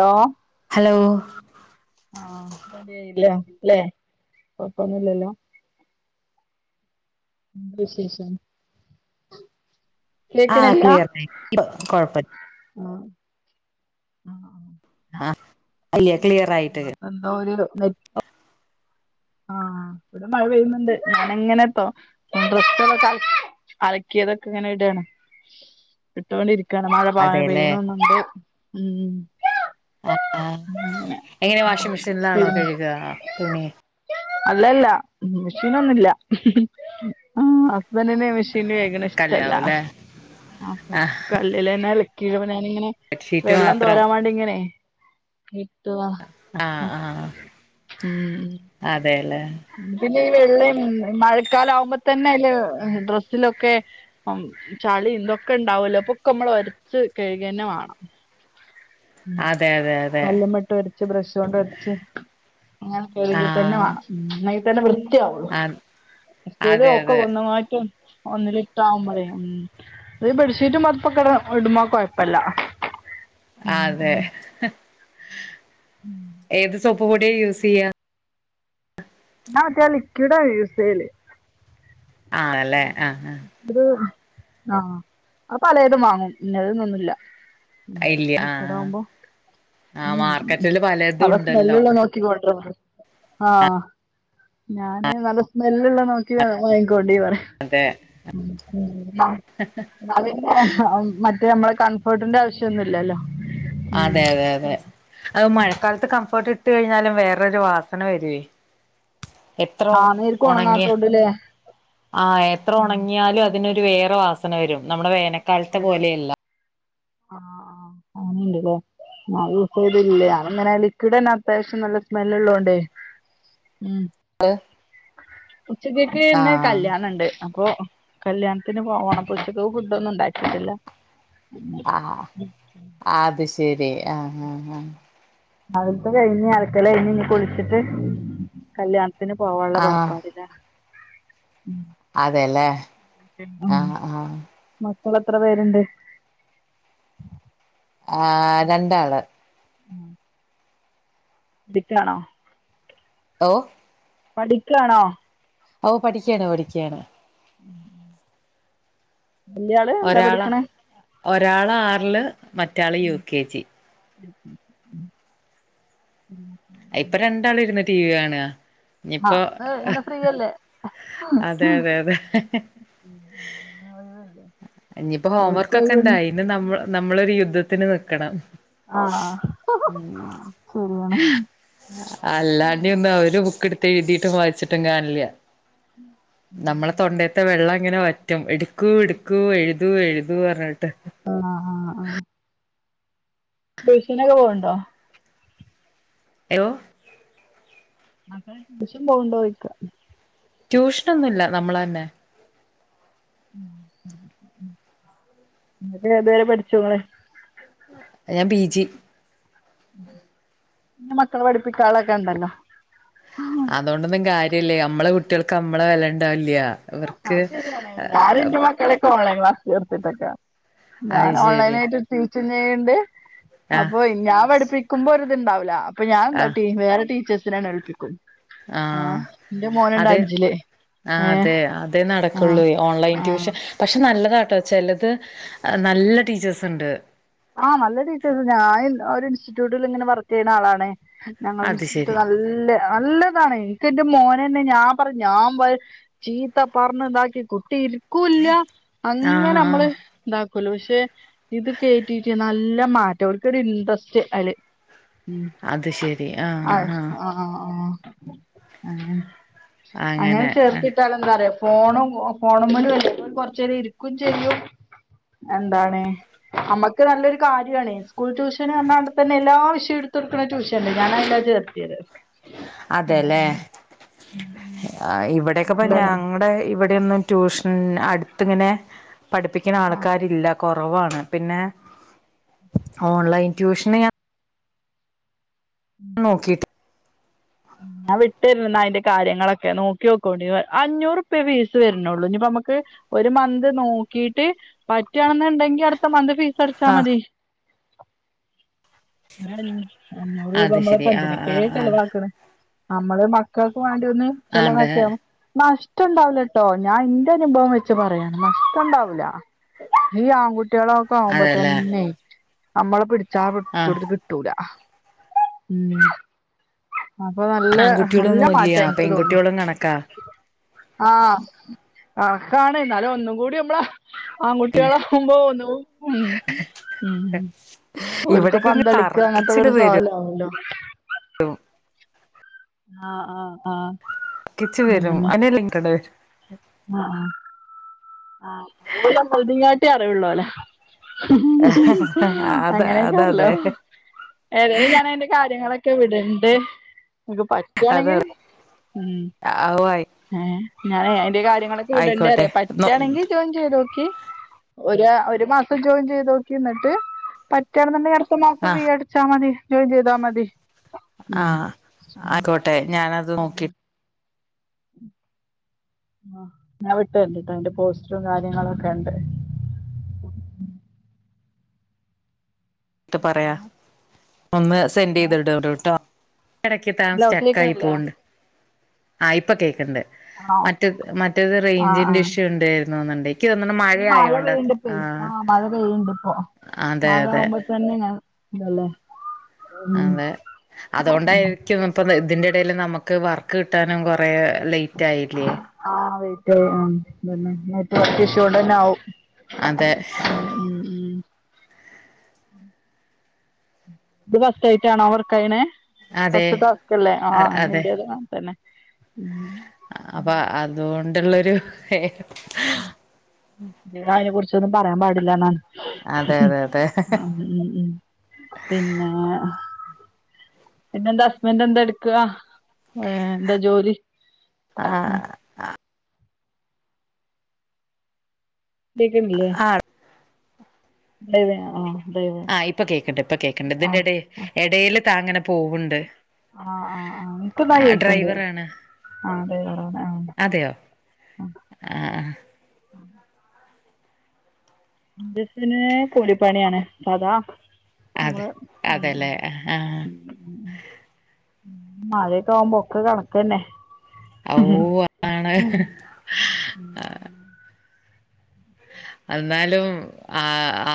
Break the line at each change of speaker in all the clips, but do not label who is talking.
Hello
hello
ആഹ് റെഡിയായില്ലേ ല്ലേ? കൊഴപ്പൊന്നുല്ലല്ലോ? എന്ത വിശേഷം?
ആഹ്
കേക്ക്ണില്ല
ക്ലിയറായി ഇപ്പൊ കൊഴപ്പ
ആഹ് ആഹ് ഹാ
ആഹ്
അപ്പെന്തോ ഒര് നെ ആഹ് ഇവിടം മഴ പെയ്യുന്നുണ്ട് ഞാനങ്ങനെ തോ ആഹ് ഡ്രസ്സൊക്കെ അലക്കിയതൊക്കെങ്ങനെ ഇടാണ് ഇട്ടോണ്ടിരിക്കാണ് മഴ പാ
അതെല്ലേ
പെയ്യണുണ്ട് ഉം
ആഹ് ആഹ്
അങ്ങനെ
എങ്ങനെ വാഷിംഗ് മെഷീൻലാണോ
തിരുമ്പ
കഴുക തുണി?
അല്ലല്ല മിഷീനൊന്നുല്ല ഹ സ്ബൻഡിന് മിഷീന്ല് കഴക്ണെയിഷ്ടല്ല
കല്ലാവൂല്ലേ
അപ്പൊ
ആ
ക ല്ലിലെന്നെ അലക്കി അപ്പൊ ഞാനിങ്ങനെ
ബെഡ്ഷീറ്റ്
വെള്ളം
മാത്രം
തോരാൻ വേണ്ടിങ്ങനെ
ആഹ് ആഹ് അതേല്ലേ
പിന്നെ ഈ വെള്ളം മഴക്കാലാവുമ്പോ തന്നെ അയ്ല് ഡ്രസ്സിലൊക്കെ അപ്പം ചളിം, ഇതൊക്കെണ്ടാവല്ലോ അപ്പൊക്കെ മ്മള് ഒരച്ച് കഴുകെന്നെ വാണം ഉം
അതെ അതെ അതെ
കല്ലുമ്മെട്ടൊര്ച്ച് ബ്രഷോണ്ടൊരച്ച് അങ്ങനെ
ആ
കഴുക തന്നെ വാണം ഇന്നെങ്കി തന്നെ വൃത്തിയാവൊള്ളൂ
ആ
മറ്റേത്
അതെ
ഒക്കെ
അതെ
ഒന്നായിട്ട് ഒന്ന്ലിട്ടാവുമ്പളെ ഉം ഒരു ബെഡ്ഷീറ്റും, പ്പൊത്പ്പൊക്കെ ഇടുമ്പം കൊഴപ്പല്ല ഉം
അതെ
ഉം
ഏത് സോപ്പ് പൊടിയാ യൂസെയ്യാ?
ഞാ മറ്റെ ആ ലിക്യൂഡാ യൂസെയ്യല്
ആണല്ലെ? ആഹ് ആഹ്
അത് ആഹ് അഹ് പലേതും വാങ്ങും ഇന്നെത് ന്നൊന്നുല്ല
ആ ഇല്ല ആ
ലിക്യുഡാവുമ്പോ
ആ
ഉം
മാർക്കറ്റില് പലതും
നല്ല
ഉണ്ടല്ലോ
സ്മെല്ല്ള്ളെ നോക്കി കൊണ്ടാരാം പറയും ആഹ് ഞാന് നല്ല സ്മെല്ല്ള്ളെ നോക്കി വാങ്ങിക്കോണ്ടീ പറയും
അതെ
[unintelligible] ഇന്ന പിന്നെ മറ്റേ നമ്മളെ കംഫേട്ടിന്റെ ആവിശ്യൊന്നുല്ലല്ലോ
അതെ അതെ അതെ അഹ് മഴക്കാലത്ത് കംഫേട്ട് ഇട്ട് കഴിഞ്ഞാലും വേറൊരു വാസന വെരുവേ എത്ര
ആഹ് നേര്ക്ക്
ഒണങ്ങിയ
ഒണങ്ങാത്തോണ്ട്ല്ലേ
ആ എത്ര ഒണങ്ങിയാലും അതിനൊരു വേറെ വാസന വരും നമ്മുടെ വേനക്കാലത്തെ
വരും
പോലെയല്ല
ആഹ് ആഹ് അങ്ങനിംണ്ട്ല്ലേ ഞാ യൂസെയ്യലില്ല്യ ഞാനിങ്ങനെ ലിക്യുഡന്നെ അത്യാവിശ്യം നല്ല സ്മെല്ല്ള്ളോണ്ടേ മ്
അത്
ഉച്ചക്ക്ക്ക്ന്നെ കല്യാണ ഉണ്ട് അപ്പൊ കല്യാണത്തിന് പോകണം അപ്പൊ ഉച്ചക്ക്ക്ക് ഫുഡ ഒന്നും ഉണ്ടാ ഉണ്ടാകില്ല കിട്ടില്ല
ആഹ അത് ശരി ആഹ്
അത്തെ കഴിഞ്ഞ് അലക്കൽ കഴിഞ്ഞ് ഇനി കുളിച്ചിട്ട് കല്യാണം ത്തിന് പോവാനുള്ള
ആഹ് ആഹ്
പൊറപ്പാടില്ല ഉം
അതെല്ലേ
ഉ
ആഹ് ആഹ്
മക്കൾ എത്ര പേരുണ്ട്?
ആ രണ്ടാള്.
ഉം ഠിക്കാണോ?
ഓ
പഠിക്കണോ?
ഓ പഠിക്കണ് പഠിക്കാണ്.
[inaudible] വല്യാള് എന്താ
ഒരാള്
പഠിക്കണേ
ഒരാള് ആറില് മറ്റാള് യു കെ ജി.
ഉ
ആ ഇപ്പൊ രണ്ടാളും ഇരുന്ന് ടി വി കാണാ
ആ
ഇനിപ്പോ
ഇന്ന് ഇന്ന് ഫ്രീ അല്ലേ
അതെ അതെ അതെ,
ഉം [unintelligible]
ഇനിയിപ്പോ ഹോംവർക്ക്ക്കെ ഇണ്ട ഇന് നമ്മ നമ്മളൊരു യുദ്ധത്തിന് നിക്കണം,
ആ ശരിയാണ്
അല്ലാണ്ട ഒന്നും അവര് ബുക്ക് എടുത്ത് എഴുതീട്ട് വായിച്ചിട്ടും കാണില്ല നമ്മളെ തൊണ്ടത്തെ വെള്ളം ഇങ്ങനെ വറ്റും എടുക്കു എടുക്ക എഴു ഴുതൂ എഴുതൂ പറഞ്ഞാട്
ആഹ ആഹ് ആഹ ട്യൂഷനൊകെ പോകണ്ടോ?
ഹലോ
മക്കൾ ട്യൂഷൻ പോവ്ണ്ടൊ ചൊയിക്കാ
ട്യൂഷനന്നുല്ല നമ്മളന്നെ
ന്നിട്ട് ഏതുവരെ പഠിച്ചുങ്ങള്
ഞാൻ ബി ജി
നമ്മള്ളെ മക്കളെ പഠിപ്പിക്കാളെക്കെ ഇണ്ടല്ലോ
അതോണ്ടൊന്നും കാര്യല്ലേ നമ്മളെ കുട്ട്യാൾക്ക് നമ്മളെ വെല ഇണ്ടാവില്ല ഇവർക്ക്
അത് ശരിയാണ് ഞാ ഇന്റെ മക്കളെ ഓൺലൈൻ ക്ലാസ്സ് ചേർത്തിട്ട്ക്കാ
അത്
ഞാൻ
ശരി
ഓൺലൈനായിട്ട് ടീച്ചും ചെയ്യ്ണ്ട്
ആഹ്
അപ്പൊ ഞാൻ പഠിപ്പിക്കുമ്പോ ഒരു ഇത്ണ്ടാവൂല്ല അപ്പൊ ഞാനെ
ആഹ്
എന്താട്ടി വേറെ ടീച്ചേഴ്സിനെ ഏൽപ്പിക്കും ആഹ് ഇന്റെ മോനുണ്ട്
അതെ
അഞ്ചില്
ആഹ്
ഏഹ്
അതെ നട
ആഹ്
ക്കൊളെയ് ഓൺലൈൻ
ആഹ്
ട്യൂഷൻ പക്ഷെ നല്ലതാട്ടോ ചെലത് നല്ല ടീച്ചേഴ്സ് ഇണ്ട്
ആഹ് നല്ല ടീച്ചേഴസ് ഞാൻ ഇൻ ഒരു ഇൻസ്റ്റിറ്റ്യൂട്ട് ഇങ്ങനെ വർക്കെയ്യ്ണ ആളാണേ ഞങ്ങളെ
അത്
ഇൻസ്റ്റിറ്റ്യൂട്ട്
ശരി
നല്ലെ നല്ല ഇതാണെയ് ഇൻക്ക് ഇന്റെ മോനെന്നെ ഞാൻ പറയും ഞാൻ വ ചീത്ത പറഞ് ഇതാക്കി കുട്ടി ക്കൂല്ല അങ്ങനെ
ആഹ് ആഹ്
അമ്മള് ഇതാക്കൊല്ലോ പക്ഷെ ഇത് കേറ്റി റ്റേ നല്ല മാറ്റം ഓല്ക്കൊരു ഇൻട്രസ്റ്റ് അയില് ഉം
അത് ശരി ആഹ്
ആയ് ആഹ് അഹ് അഹ് അങ്ങനെ അങ്ങനെ ചേർത്തിട്ടാലൊ എന്താ അറിയോ ഫോണും ഫോണ് മ്മലുംഎല്ലെ അപ്പൊ ഓല് കൊറച്ചേരം ഇരിക്കും ചെയ്യും എന്താണ് അമ്മക് ഇക്ക് നല്ലൊരു കാര്യാണേ സ്കൂൾ ട്യൂഷന് പർണാണ്ട്പെന്നെ എല്ലാ വിഷയും ഇട്‌തൊട്ക്ക്ണ ട്യൂഷൻ ഇണ്ട് ഞാനഐലാ ചേർത്ത്യേത്
അതെലേ അ ഇവെടെക്കെപ്പ
അപ്പൊ
ഞങ്ങടെ ഇവ് ടെ ഒന്നും ട്യൂഷൻ അട്ത്ത് ഇങ്ങനെ പഠിപ്പിക്ക്ണ ആള്ക്കാരില്ല കൊറവാണ് പിന്നെ ഓൺ ലൈൻറ്റൂഷന് ഞാം
ഉം
നോക്കീട്ട്
ഞാ വിട്ടെരെന്റ് ഇന്നാ ഐന്റെ കാര്യങ്ങളെക്കെ നോക്ക്യോക്കോണ്ടിം അഞ്ഞൂറുപ്യേ ഫീസ് വെര്നൊള്ളു ഇനിപ്പ അമ്മക്ക് ഒരു മന്ത് നോക്കീട്ട് പറ്റ്യാണന്ന് ഇണ്ടെങ്കി അട്ത്ത മന്ത് ഫീസ് അട
ആഹ്
ച്ചാമതി ഇങ്ങനേണൊ ഇഞ്ഞ് അഞ്ഞൂറ് രൂപ
അത്
അമ്മള്
ശരി
ഇപ്പ
ആഹ്
എന്തിനെക്കേ
ആഹ് ആഹ്
ചെലവാക്ക്ണ് നമ്മള് മക്കൾക്ക് വാണ്ടി ഒന്ന്
അതെ
ചെലവാക്കിയാവും നഷ് ട്ടം ഇണ്ടാവൂലട്ടൊ ഞാ ഇന്റെ അനുഭവം വെച്ച് പറയാണ് നഷ്ട്ടം ഇണ്ടാവൂല ഈ ആങ്കു ട്ട്യോളാെക്ക
അതെല്ലേ
ആവുമ്പാെതെന്നേയ് അമ്മള് പിടിച്ചാ
ആഹ്
പിടിച്ചോട്ത്ത് കി ട്ടൂല ഉം അപ്പൊ നല്ലേ നല്ല
ആൺകുട്ടികളൊന്നും
മാറ്റാ
ഇല്ല
ഇൻക്ക് തോന്നി
പെൺകുട്ടികളും കണക്കാ
ആഹ് ആഹ് കണക്കാണ് ഇന്നാലും ഒന്നും കൂടി അമ്മളെഹ് ആങ്കുട്ട്യേളാകുമ്പൊ ഒന്നുകൂ ഉം ഉം ഉം ഓല്ക്ക്
ഇവിടെക്കെ ഇങ്ങ്
പന്തളിക്കാ അങ്ങൻത്തെക്കാെ
തർക്കിച്ചിട്
ഒര്
വരും
സ്വാലാവൊ ല്ലോ ആഹ് ആഹ് ആഹ്‌
തിരിച്ച് വെരും അതിന്റെ ലിങ്ക് ഇട്
ആഹ്‌ ആഹ്‌ ആഹ് ഓല് നമ്മൾടീതായി റ്റ് അറിവ് ഉള്ളോലാ
അത
അങ്ങനെെക്കാരല്ലോ
അതതെ
ഏതായാലും ഞാന ഐന്റെ കാര്യങ്ങളൊക്കെ വിടണ്ട് ഇങ്ങക്ക്
അതെ
പറ്റാണെങ്കി ഉം
ആവു ആയി
ഏഹ് ഞാനേ ഐന്റെ കാര്യങ്ങളൊക്കെ വിടണ്ട്
ആയിക്കോട്ടെ
പറയാ പറ്റാണെങ്കി ജോ ജോയിങ് ചെെതോക്കിം ഒരാ ഒരു മാസം ജോയിൻ ചെയ്തോക്കിം ഇന്ന്ട്ട് പറ്റ് റ്റാണ് ന്ന് ഇണ്ടങ്കി അട്ത്ത മാസം ഫീ
ആഹ്
അടിച്ചാ മതി ജോയിൻ ചെയ്താ മതി
ആഹ് അയക്കോട്ടെ ഞാനത്
പറയാം
നോക്കിട്ട്
ഉം ആഹ്‌ ഞാൻ വിട്ടെര്ണ്ട്ട്ടാ ഐന്റെ പോസ്റ്റ്റും കാര്യങ്ങളാെക്കെ ഇണ്ട്
ട്ട് പറയാ ഒന്ന് സെന്റീത് ഇടോണ്ടുട്ടോ എടക്ക് താനെ
ഹലോ
സ്റ്റെക്കായി
കേക്കണില്ലേ
പോവ്ണ്ട് ആയി ഇപ്പകേക്ക്ണ്ട്
ആണോ
മറ്റെത് മറ്റേത്
ആ
റൈഞ്ചിന്റെ
ആ
ഇഷ്യു ഇണ്ടേര്ന്നു തോന്ന്ണ്ടെെ
മഴ പെയ്യ്ണ്ട് ഇപ്പേയ് ആഹ് മഴ പെയ്യ്ണ്ട് ഇപ്പൊ
അതെ അതെ
മഴാവുമ്പൊ പെണ്ണ് ഇങ്ങനെ ഇതല്ലേ ഉം
അതെ അതോണ്ടായിരിക്കും ഇപ്പ താ ഇതിന്റെ എടേല് നമക്ക് വർക്ക് കിട്ടാനും കൊറേ ലേറ്റ് ആയില്യേ
ആഹ് ലൈറ്റായി ഉം അതെന്നെ ഇന്ന്ട്ട് നെറ്റ് ഇഷോണ്ടെന്നെ ആവും
അതെ
ഉം ഉം ഇത് ഫസ്റ്റെെറ്റാണോ വർക്കെയ്യ്ണേ
അതെ
ഫസ്റ്റ്ത്തെ വർക്കെല്ലേ ആഹ് അയെന്നെ
അതെ
ഇന്റേതും അങ്ങനെ തെന്നെ ഉം
അപ്പൊ അതുകൊണ്ടുള്ളൊരു
[unintelligible] അതിനെ കുറിച്ചൊന്നും പറയാൻ പാടില്ല
അതെ അതെ അതെ
[unintelligible] ഉം ഉം പിന്നെ പിന്നെ എന്താ ഹസ്ബന്റ് എന്താ എടുക്കുവാ ഏഹ് എന്താ ജോലി
ആഹ്
കേൾക്കുന്നില്ലേ [unintelligible] ആഹ് ഡ്രൈവ്
ആഹ് ഇപ്പൊ കേക്കണ്ട് ഇപ്പൊ കേക്കണ്ട് ഇതിന്റെ ഇട
ആഹ്
ഇടയിൽ താങ്ങനെ പോവുണ്ട്
ആഹ് ആഹ് ആഹ് എനിക്ക് നന്നായി കേക്കണ്ട്
ഡ്രൈവറാണ്
ആഹ് അതെ പറ ആഹ് ആഹ്
ആഹ് ആഹ്
[unintelligible] കൂലിപ്പണിയാണ് [unintelligible] [unintelligible]
അതെ അതെല്ലേ ആ
മഴയൊക്കെ ആവുമ്പോ ഒക്കെ കണക്ക് തന്നെ
ഓ അതാണ് ആഹ് എന്നാലും ആ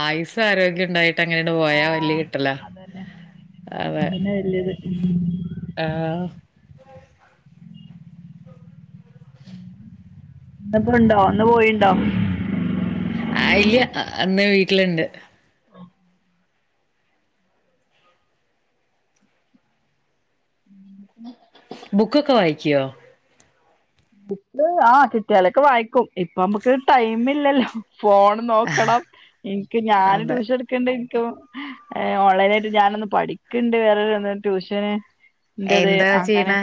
ആയുസ്സും ആരോഗ്യം ഉണ്ടായിട്ട് അങ്ങനെയണ്ട് പോയാ വല്ല്യ
ആഹ്
കിട്ടലാ
അതന്നെ
അതെ
[unintelligible]
ആഹ്
ഇന്നിപ്പോ ഉണ്ടോ ഇന്ന് പോയിണ്ടോ
[unintelligible] ഇന്ന് വീട്ടിലുണ്ട്
[inaudible]
ബുക്കൊക്കെ വായിക്കുവോ
ബുക്ക് ആഹ് കിട്ടിയാലൊക്കെ വായിക്കും ഇപ്പ നമ്മുക്ക് ടൈമ് ഇല്ലല്ലോ ഫോണ് നോക്കണം എനിക്ക് ഞാൻ
അതെ
ട്യൂഷൻ എടു [unintelligible] ഓൺലൈനായിട്ട് ഞാനൊന്ന് പഠിക്കണ്ട് വേറൊ [unintelligible] ട്യൂഷന്. എന്റേത്
എന്താ
അങ്ങനെ
ചെയ്യണെ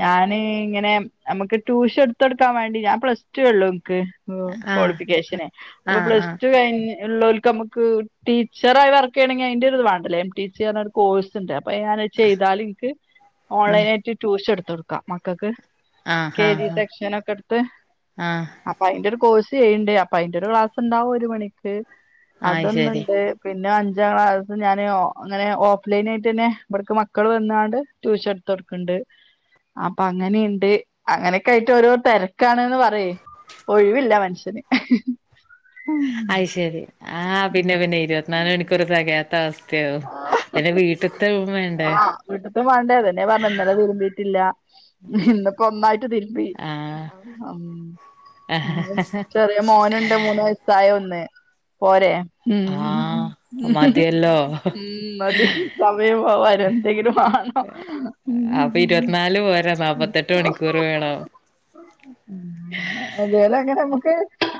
ഞാന് ഇങ്ങനെ നമ്മുക്ക് ട്യൂഷൻ എടുത്ത് കൊടുക്കാൻ വേണ്ടി ഞാൻ പ്ലസ് ടു ഉള്ളു എനിക്ക് ഓ
ആഹ്
ക്വാളിഫിക്കേഷനെ അപ്പൊ
ആഹ്
പ്ലസ്
ആഹ്
ടു കഴി [unintelligible] നമ്മുക്ക് ടീച്ചറായി വർക്ക് ചെയ്യണെങ്കിൽ അതിന്റെ ഒരു ഇത് [unintelligible] കോഴ്സ് ഉണ്ട് അപ്പൊ ഞാൻ അത് ചെയ്താല് എനിക്ക്
ഉം
ഓൺലൈൻ ആയിട്ട് ട്യൂഷൻ എടുത്ത് കൊടുക്കാം മക്കൾക്ക്
ആഹ്
കെ ജി
ആഹ്
സെക്ഷനൊക്കെ എടുത്ത്
ആഹ്
അയിന്റെ ഒരു കോഴ്സ് ചെയ്യണ്ട് അപ്പ അയിന്റെ ഒരു ക്ലാസ് ഉണ്ടാവും ഒരു മണിക്ക്
അയ് ശരി
അതൊന്നുണ്ട് പിന്നെ അഞ്ചാം ക്ലാസ്സ് ഞാന് അങ്ങനെ ഓഫ് ലൈൻ ആയിട്ട് തന്നെ ഇവിടേക്ക് മക്കൾ വന്നാണ്ട് ട്യൂഷൻ എടുത്ത് കൊടുക്കുണ്ട് അപ്പൊ അങ്ങനെ അങ്ങനെയൊക്കെ ആയിട്ട് ഓരോ തിരക്കാണ്ന്ന് പറയ് ഒഴിവില്ല മനുഷ്യന്
അയ് ശരി ആഹ്
ഉം
പിന്നെ പിന്നെ ഇരുപത്തിനാല് മണിക്കൂറ് തികയാത്ത വസ്ഥയാകും പിന്നെ വീട്ട്ത്ത്
ആഹ് [unintelligible] ഇന്നിപ്പോ ഒന്നായിട്ട് തിരുമ്പി
ആഹ്
[unintelligible] ഉം ചെറിയ മോനുണ്ട് മൂന്ന് വയസായ ഒന്ന് പോരെ ഉം
ആഹ് മതിയല്ലോ
ഉം മതി സമയം പോവാൻ എന്തെങ്കിലും വേണോ
അപ്പൊ ഇരുപത്തിനാല് പോരാ നാല്പത്തെട്ട് മണിക്കൂർ വേണം
അങ്ങനെ [unintelligible] അങ്ങനെ നമ്മുക്ക്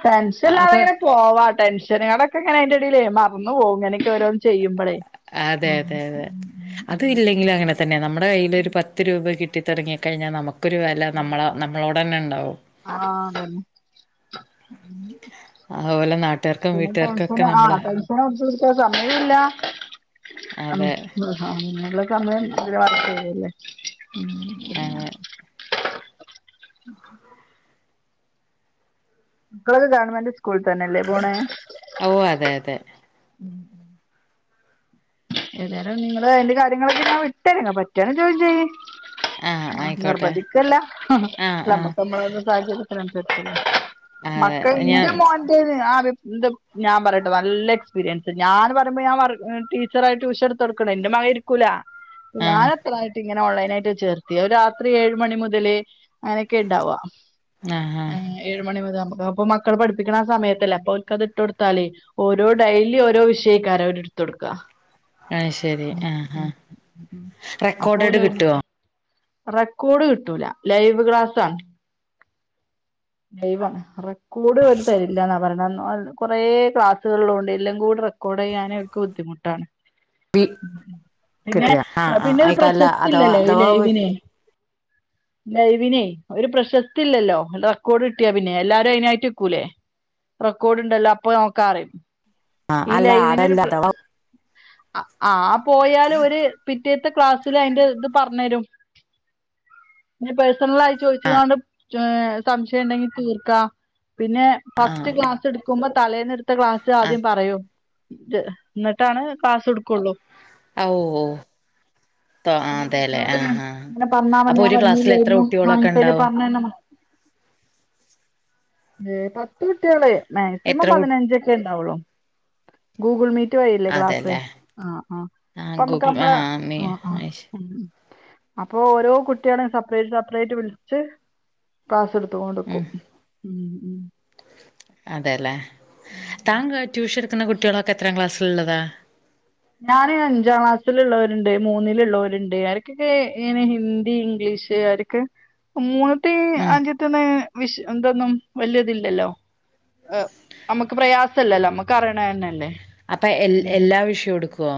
ടെൻഷൻ
അപ്പൊ
ഇല്ലാതങ്ങനെ പോവാം ടെൻഷനുകളൊക്കെ ഇങ്ങനെ അതിന്റെ ഇടയിലേ മറന്ന് പോകും ഇങ്ങനൊക്കെ ഓരോന്ന് ചെയ്യുമ്പഴേ
അതെ അതെ അതെ അത് ഇല്ലെങ്കിലും അങ്ങനെ തന്നെ നമ്ടെ കയ്ല്ഒര് പത്ത് രൂപ കിട്ടി തൊടങ്ങ്യേ കഴിഞ്ഞാ നമുക്കൊരു വെല നമ്മള നമ്മളോടന്നെണ്ടാവും
ആഹ് തന്നെ
ആഹോല നാ
പിന്നെ പെൻഷന് ആഹ് പെൻഷൻ കൊട്ച്ചുടിക്ക്യാ സമയുല്ല ആഹ്
അതെ
ആഹ് മെന്നുള്ള സമയം ഒഴിവാക്കിടല്ലേ ഉം
അങ്ങ്
[inaudible] ക്കളകെ ഗവൺമെന്റ് സ്കൂൾ തന്നെല്ലേ പോണേ
ഔവ് അതെ അതെ
ഏതാലം നിങ്ങള് അയ്ന്റെ കാര്യങ്ങളൊക്കെ ഞാവിട്ടേരങ്ങാ പറ്റാനെങ്ങി ജോയി ചെയ്യി
ആഹ് ആയിക്കോട്ടെ
നിർബധിക്കല്ല
ആഹ് ആഹ്
നമക്കമ്മളെ സാഹചര്യത്തിനൻസര്ച്
അതെ
മക്കൾ ഇന്റെ
ഞാൻ
മോൻ റ്റേത് ആത് ന്ത് ഞാപറയട്ടെ വല്ല എക്സ്പീരിയൻസ് ഞാൻ പറയ്മ്പോ ഞാൻ വർക് ട്ടീ ച്ചറായി ട്യൂഷൻ എട്ത്തൊട്ക്ക്ണ് ന്റെ മകഇര്ക്കൂല
ആഹ്
ഞാനത്രായിറ്റ് ഇങ്ങനെ ഓൺലൈനായിട്ട് ചേർത്തി അഹ് ഒരാത്രി ഏഴ് മണി മുതല് അയനെക്കെണ്ടാവ
ആഹ് ആഹ്
ഐനേ ഏഴ് മണി മുതഅമക്കാപ്പോ മക്കൾ പഠിപ്പിക്ക്ണ സമയത്തല്ലപ്പൊ ഓൽക്കത്ട്ട് കൊട്ത്താലേ ഓരോ ഡൈലി ഓരോ വിഷയക്കാര അവര്ട്തൊട്ക്കാ
അത് ശരി ആഹ് ആഹ് റെക്കോർഡഡ്
അപ്പോലൊര്
കിട്ടുവോ
റെക്കോഡ് കിട്ടൂല ലൈവ് ക്ലാസ്സാ ലൈവാണ് റെക്കോഡ് ഓര് തരില്ലാന്നാ പറിണേ ന്നോൽ കൊറേ ക്ലാസ്സുകള് ള്ളോണ്ടേ എല്ലാം കൂട കൂടെയ്യാന് ക്ക് ബുദ്ധിമുട്ടാണ്
വി
പിന്നെ
കിട്ടില്ല ആഹ് ആഹ്
പിന്നെ ഒരു
ആയിട്ടല്ല
പ്രശസ്തി
അഥവാ
ഇല്ലല്ലേ ഈ
അഥവാ
ലൈവിന് ലൈവിനയ് ഒരു പ്രശസ്തി ഇല്ലല്ലോ എണ്ടാ ക്കോഡ് കിട്ട്യാപിന്നെ എല്ലാരു അയ്നായിറ്റ്ക്കൂലേ റെക്കോഡ്ണ്ടല്ലോ അപ്പൊ നോക്കാറിം
ആഹ്
ഈ
അല്ല
ലൈവിനൊരു
അതല്ല
പ്ര
അഥവാ
അഹ് ആഹ് പോയാല് ഒര് പിറ്റേത്തെ ക്ലാസ്സില് അയ്ന്റെത് പർഞ്ഞേരും ഞ് പേഴ്സണലായി ചോയ്ച്കാണ്ട് ച്യോ സംശയണ്ടെങ്കിൽ തീർക്കാ പിന്നെ ഫസ്റ്റ് ക്ലാസ്ട്ക്കുമ്പോ തലേന്ന്ട് ത്തെ ക്ലാസ്
ആഹ്
ആദ്യം പറയും റ്റ് ന്ന്ട്ടാണ് ക്ലാസ്ട്ക്കൊള്ളൂ
അവോ
പിന്നെ ടീച്ചറോട്ങ്ങേ
ആഹ്
നെപർണാമതി
അപ്പൊ
ഞാൻ
ഒരു ക്ലാസ്സിൽ എത്ര
വന്നില്ലേര്ന്നു ആഹ്
കുട്ടികളൊക്കെ
ഇൻക്കയ്ന്
ഉണ്ടാവും
പർഞേര്നം ഏഹ് പത്ത് കുട്ടികളെ മാക്സിമം
എത്ര കു
പതിനഞ്ചക്കെണ്ടാവൊള്ളൂ ഗൂഗിൾ മീറ്റ് വഴിയല്ലേ ക്ലാസ്
അതെല്ലേ
ആഹ് ആഹ്
ആഹ്
പ്പമക്ക്
ഗൂഗിൾ
അമ്ളെ
മീ
ആഹ് ആഹ്
അയ്ശ്
ഉം അപ്പൊ ഓരോ കുട്ട്യേളേം സപ്പറേറ്റ് സപ്പറേറ്റ് വിൾച്ച്
ഉം
ക്ലാസ്സ്ട്ത്ങ്ങേണ്ട്ക്കും
അതേ ല്ലേ താങ്കൾ ട്യൂഷൻട്ക്ക്ണ കുട്ട്യോളൊക്കെ എത്രാം ക്ലാസ്ൾള്ളതാ
ഞാന് അഞ്ചാം ക്ലാസ്സില്ള്ളോര്ണ്ട് മൂന്നില്ള്ളോര്ണ്ട് ആരക്കൊക്കെ ഇങ്ങനെ ഹിന്ദി ഇംഗ്ലീഷ് ആ കെ മൂന്ന്ത്തീം
ഉം
അഞ്ചത്തൊന്ന് ങ്ങനെ വിശ് ന്തൊന്നും വല്യതില്ലല്ലോ എഹ് അമ്മക്ക് പ്രയാസല്ലല്ലോ അമ്മക്ക് അറിണേയന്നെല്ലേ
അപേ എൽ എല്ലാ വിഷ്യോട്ക്കോ